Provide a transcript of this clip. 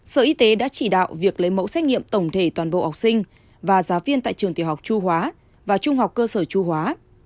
sở y tế đã chỉ đạo việc lấy mẫu xét nghiệm tổng thể toàn bộ học sinh và giáo viên tại trường tiểu học chu hóa và trung học cơ sở chu hóa